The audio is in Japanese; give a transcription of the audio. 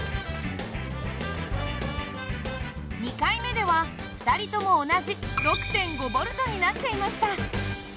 ２回目では２人とも同じ６．５Ｖになっていました。